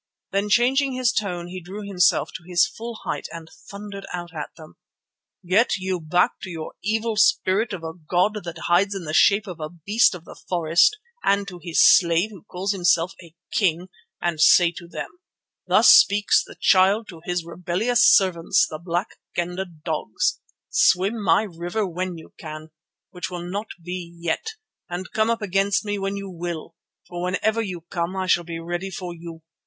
Then changing his tone he drew himself to his full height and thundered out at them: "Get you back to your evil spirit of a god that hides in the shape of a beast of the forest and to his slave who calls himself a king, and say to them: 'Thus speaks the Child to his rebellious servants, the Black Kendah dogs: Swim my river when you can, which will not be yet, and come up against me when you will; for whenever you come I shall be ready for you.